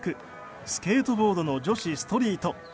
スケートボードの女子ストリート。